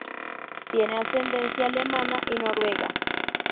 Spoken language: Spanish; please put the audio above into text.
Tiene ascendencia alemana y noruega.